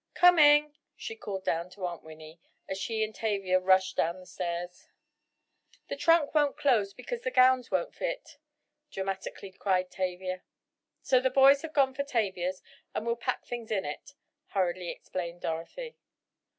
Coming," she called down to Aunt Winnie, as she and Tavia rushed down the stairs. "The trunk won't close because the gowns won't fit," dramatically cried Tavia. "So the boys have gone for Tavia's, and we'll pack things in it," hurriedly explained Dorothy.